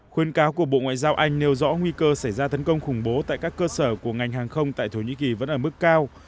khuyên cáo của bộ ngoại giao anh nêu rõ nguy cơ xảy ra tấn công khủng bố tại các cơ sở của ngành hàng không tại thổ nhĩ kỳ vẫn ở mức cao